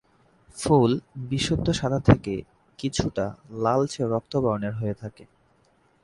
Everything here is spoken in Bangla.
ফুল বিশুদ্ধ সাদা থেকে কিছুটা লালচে রক্তবর্ণের হয়ে থাকে।